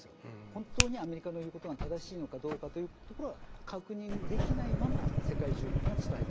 本当にアメリカの言うことが正しいのかどうかというところは確認できないまま世界中が伝えてしまった。